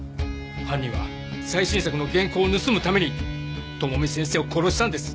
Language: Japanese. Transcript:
犯人は最新作の原稿を盗むために智美先生を殺したんです。